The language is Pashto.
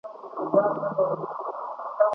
¬ مه کوه په ما، چي و به سي په تا.